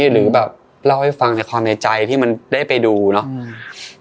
หรือแบบเล่าให้ฟังในความในใจที่มันได้ไปดูเนาะ